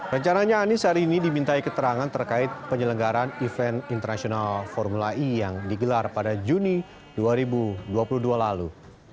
rencananya anies hari ini dimintai keterangan terkait penyelenggaran event internasional formula e yang digelar pada juni dua ribu dua puluh dua lalu